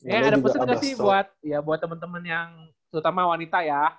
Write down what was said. ya ada pesen nggak sih buat temen temen yang terutama wanita ya